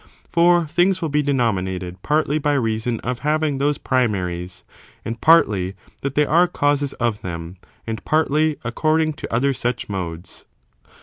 For things will be denominated partly by reason of having those primaries, and partly that they are causes of them, and partly according to other such modes.